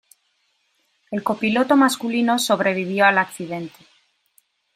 El copiloto masculino sobrevivió al accidente.